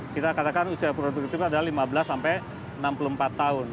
kita katakan usia produktif adalah lima belas sampai enam puluh empat tahun